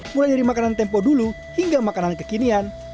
mulai dari makanan tempo dulu hingga makanan kekinian